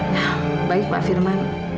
ya baik pak firman